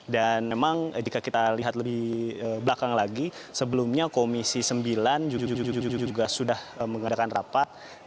memang jika kita lihat lebih belakang lagi sebelumnya komisi sembilan juga sudah mengadakan rapat